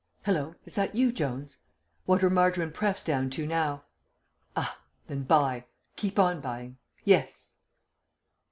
"Hallo! Is that you, Jones?... What are Margarine Prefs. down to now?... Ah! Then buy. Keep on buying.... Yes."